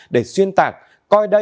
để xuyên tạc